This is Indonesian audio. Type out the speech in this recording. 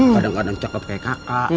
kadang kadang cakep kayak kakak